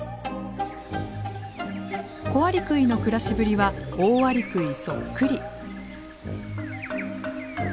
コアリクイの暮らしぶりはオオアリクイそっくり。